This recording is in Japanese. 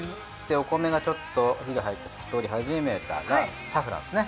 お米がちょっと火が入って透き通り始めたらサフランですね。